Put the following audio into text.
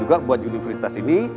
juga buat universitas ini